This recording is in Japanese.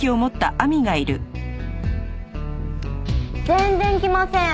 全然来ません。